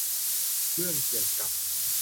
เรื่องเกี่ยวกับ